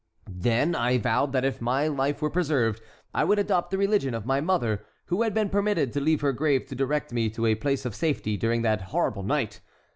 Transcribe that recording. Then I vowed that if my life were preserved I would adopt the religion of my mother, who had been permitted to leave her grave to direct me to a place of safety during that horrible night.